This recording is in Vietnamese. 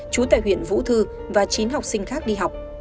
chú tại huyện vũ thư và chín học sinh khác đi học